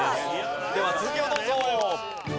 では続きをどうぞ。